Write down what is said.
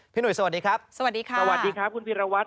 หนุ่ยสวัสดีครับสวัสดีค่ะสวัสดีครับคุณพีรวัตร